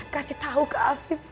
kasih tau ke afid